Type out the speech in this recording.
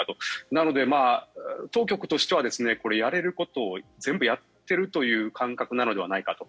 なので、当局としてはやれることを全部やってるという感覚なのではないかと。